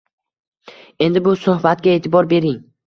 Endi bu suhbatga e`tibor bering